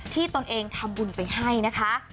ตนเองทำบุญไปให้นะคะ